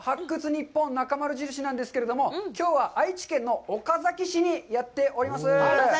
ニッポンなかまる印」なんですけれども、きょうは愛知県の岡崎市にやってきております。